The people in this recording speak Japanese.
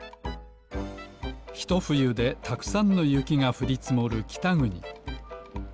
ひとふゆでたくさんのゆきがふりつもるきたぐに。